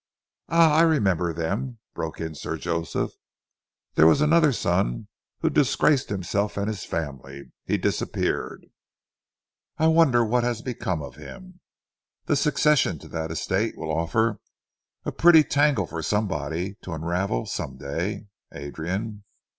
"Ah! I remember them," broke in Sir Joseph. "There was another son who disgraced himself and his family. He disappeared. I wonder what has become of him. The succession to that estate will offer a pretty tangle for somebody to unravel some day, Adrian."